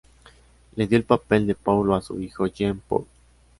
Le dio el papel de Paulo a su hijo Jean-Paul.